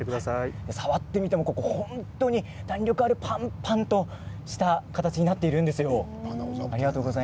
触ってみても本当に弾力あるパンパンとした形になっているんですよ。